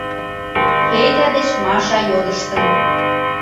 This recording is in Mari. — Федя деч Маша йодыштын.